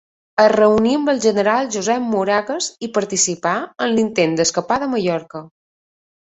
Es reuní amb el General Josep Moragues i participà en l'intent d'escapada a Mallorca.